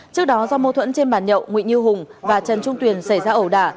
trước đó do mâu thuẫn trên bàn nhậu nguyễn như hùng và trần trung tuyền xảy ra ẩu đả